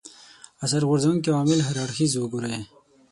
اثر غورځونکي عوامل هر اړخیزه وګوري